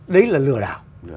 đấy là lừa đảo